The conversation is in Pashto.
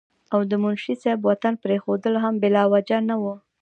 او د منشي صېب وطن پريښودل هم بلاوجه نه وو